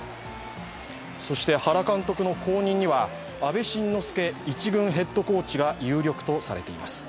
そして原監督の後任には阿部慎之助一軍ヘッドコーチが有力とされています。